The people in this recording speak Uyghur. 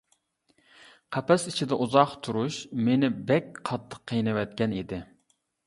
قەپەس ئىچىدە ئۇزاق تۇرۇش مېنى بەك قاتتىق قىينىۋەتكەن ئىدى.